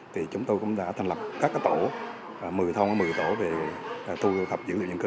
thì chúng tôi cũng đã thành lập các cái tổ một mươi thôn ở một mươi tổ để thu hợp dữ liệu dân cư